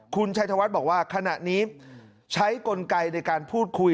คุณชัยธวัฒน์บอกว่าขณะนี้ใช้กลไกในการพูดคุย